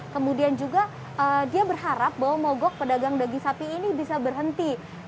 kemudian juga dia berharap bahwa mogok pedagang daging sapi ini bisa berhenti